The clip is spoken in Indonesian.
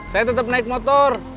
saya tetep naik motor